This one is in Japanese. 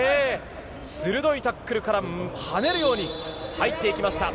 鋭いタックルから跳ねるように入っていきました。